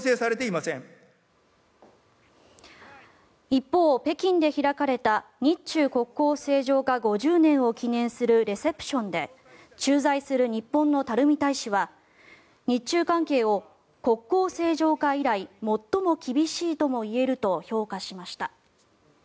一方、北京で開かれた日中国交正常化５０年を記念するレセプションで駐在する日本の垂大使は日中関係を国交正常化以来最も厳しいとも言えると評価しました。